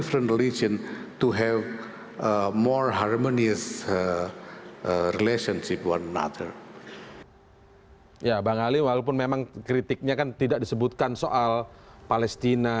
pertama membangun agama dalam kehidupan sebenar